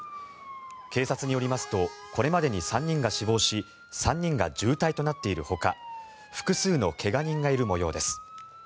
警察によりますとこれまでに３人が死亡し３人が重体となっているほか複数の怪我人がいる模様です。